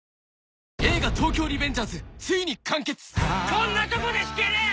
「こんなとこで引けねえ！」